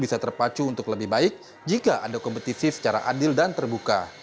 bisa terpacu untuk lebih baik jika ada kompetisi secara adil dan terbuka